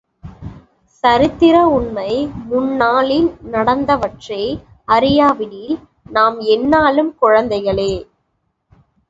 சரித்திர உண்மை முன்னாளில் நடந்தவற்றை அறியாவிடில் நாம் என்னாளும் குழந்தைகளே.